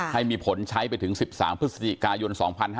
ให้มีผลใช้ไปถึง๑๓พฤศจิกายน๒๕๕๙